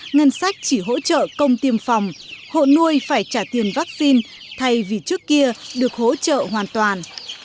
ngân sách chỉ hỗ trợ công tiêm phòng hộ nuôi phải trả tiền vaccine thay vì trước kia được hỗ trợ hoàn toàn